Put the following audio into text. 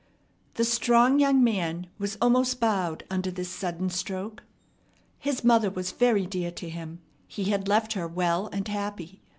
The strong young man was almost bowed under this sudden stroke. His mother was very dear to him. He had left her well and happy.